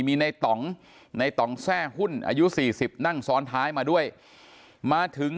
มีในต่องในต่องแทร่หุ้นอายุ๔๐นั่งซ้อนท้ายมาด้วยมาถึง